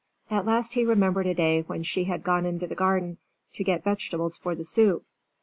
At last he remembered a day when she had gone into the garden to get vegetables for the soup.